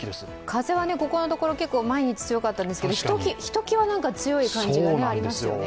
風はここのところ、毎日強かったんですけどひときわ強い感じがありますよね。